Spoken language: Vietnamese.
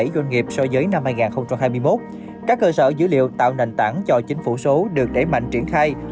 doanh nghiệp so với năm hai nghìn hai mươi một các cơ sở dữ liệu tạo nền tảng cho chính phủ số được đẩy mạnh triển khai